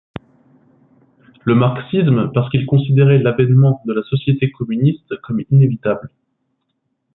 Le marxisme parce qu'il considérait l'avènement de la société communiste comme inévitable.